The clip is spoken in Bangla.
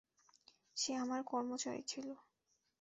সে আমার কর্মচারী ছিল।